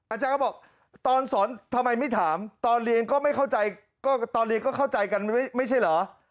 อาจารย์ก็บอกตอนสอนทำไมไม่ถามตอนเรียนก็เข้าใจกันไม่ใช่เหรอ